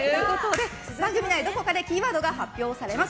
番組内、どこかでキーワードが発表されます。